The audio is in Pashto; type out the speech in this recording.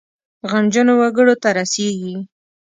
غمجنو وګړو ته رسیږي.